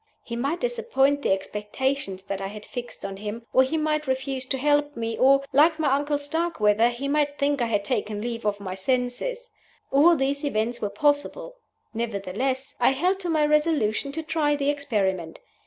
He might disappoint the expectations that I had fixed on him, or he might refuse to help me, or (like my uncle Starkweather) he might think I had taken leave of my senses. All these events were possible. Nevertheless, I held to my resolution to try the experiment.